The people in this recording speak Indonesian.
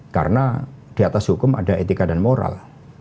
karena di atas hukum ada etika dan moral